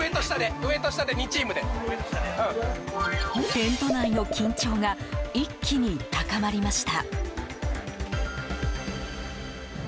テント内の緊張が一気に高まりました。